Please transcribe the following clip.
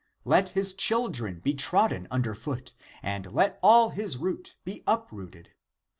Let his children be trodden under foot, and let all his root be uprooted.